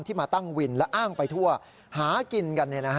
มาตั้งวินและอ้างไปทั่วหากินกัน